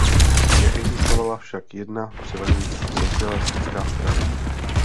Neexistovala však jedna převažující socialistická strana.